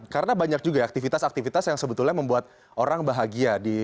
karena banyak juga ya aktivitas aktivitas yang sebetulnya membuat orang bahagia